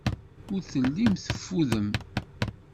Ur tellim teffudem.